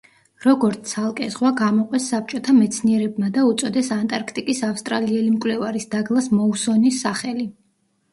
როგორც ცალკე ზღვა გამოყვეს საბჭოთა მეცნიერებმა და უწოდეს ანტარქტიკის ავსტრალიელი მკვლევარის დაგლას მოუსონის სახელი.